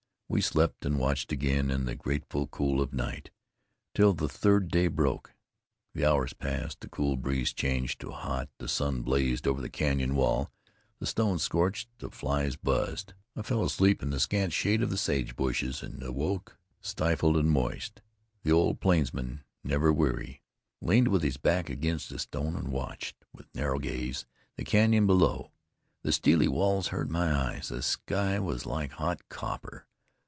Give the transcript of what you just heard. We slept and watched again, in the grateful cool of night, till the third day broke. The hours passed; the cool breeze changed to hot; the sun blazed over the canyon wall; the stones scorched; the flies buzzed. I fell asleep in the scant shade of the sage bushes and awoke, stifled and moist. The old plainsman, never weary, leaned with his back against a stone and watched, with narrow gaze, the canyon below. The steely walls hurt my eyes; the sky was like hot copper.